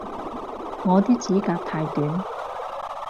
我啲指甲太短